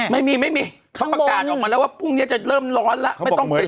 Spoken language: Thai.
ไม่มีไม่มีเขาประกาศออกมาแล้วว่าพรุ่งนี้จะเริ่มร้อนแล้วไม่ต้องเป็น